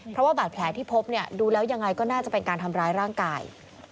เพราะว่าบาดแผลที่พบเนี่ยดูแล้วยังไงก็น่าจะเป็นการทำร้ายร่างกาย